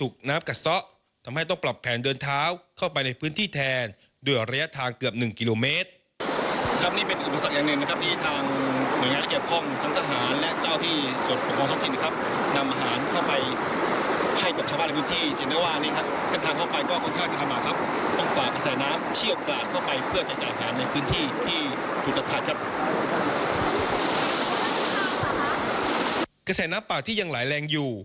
กระแสน้ำป่าที่ยังไหลแรงอยู่